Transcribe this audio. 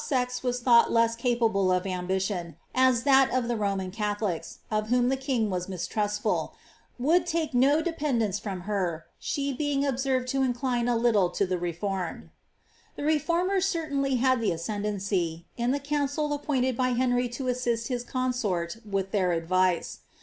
sex was thought less capable of ambition, as that of the Roman holies, of whom the king was mistrustful, would take no dependence n her, she being obsen'ed to incline a little to the reformed." The »rmers certainly had the ascendancy, in the council appointed by iry to assist his consort with their advice.